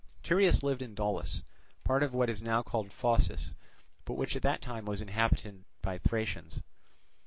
Tereus lived in Daulis, part of what is now called Phocis, but which at that time was inhabited by Thracians.